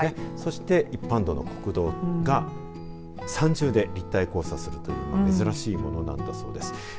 そして一般道の国道が三重で立体交差するという珍しいものなんだそうです。